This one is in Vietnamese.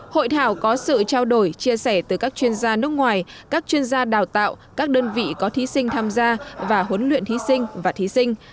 hội thảo có sự trao đổi chia sẻ từ các chuyên gia nước ngoài các chuyên gia đào tạo các đơn vị có thí sinh tham gia và huấn luyện thí sinh và thí sinh